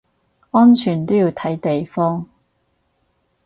安全都要睇地方